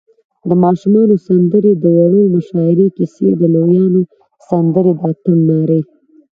د ماشومانو سندرې، د وړو مشاعرې، کیسی، د لویانو سندرې، د اتڼ نارې